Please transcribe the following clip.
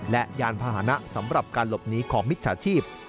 และยานพาหนะสำหรับการหลบหนีของมิจฉาชีพ